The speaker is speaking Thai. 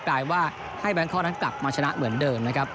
ลายว่าให้แบงคอกนั้นกลับมาชนะเหมือนเดิมนะครับ